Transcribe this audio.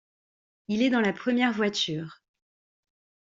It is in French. Il est dans la première voiture.